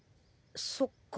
そっか。